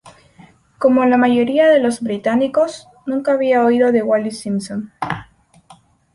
Como la mayoría de los británicos, nunca había oído de Wallis Simpson.